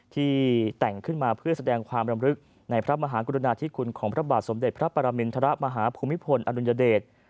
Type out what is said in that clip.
ที่แต่งขึ้นมาเพื่อแสดงความรำลึกในพระมหากรุณาธิคุณของพระบาทสมเด็จพระปรมินทรมาฮภูมิพลอดุลยเดช